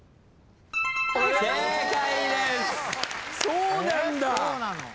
そうなんだ！